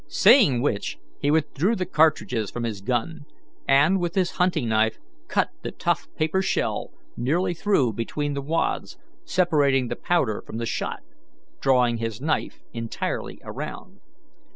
Saying which, he withdrew the cartridges from his gun, and with his hunting knife cut the tough paper shell nearly through between the wads separating the powder from the shot, drawing his knife entirely around.